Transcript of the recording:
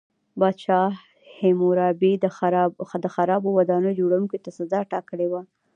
پادشاه هیمورابي د خرابو ودانیو جوړوونکو ته سزا ټاکلې وه.